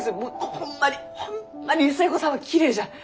ホンマにホンマに寿恵子さんはきれいじゃ。